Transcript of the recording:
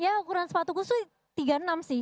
ya ukuran sepatu gue itu tiga puluh enam sih